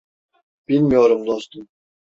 Bilmiyorum dostum.